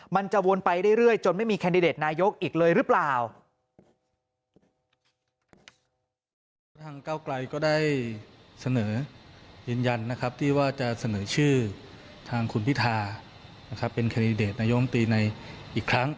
มันจะวนไปเรื่อยจนไม่มีแคนดิเดตนายกอีกเลยหรือเปล่า